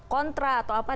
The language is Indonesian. kontra atau apa